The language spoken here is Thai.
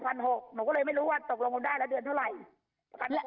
หนูก็เลยไม่รู้ว่าตกลงได้ละเดือนเท่าไหร่